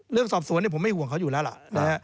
เรื่องสอบสวนเนี่ยผมไม่ห่วงเขาอยู่แล้วล่ะ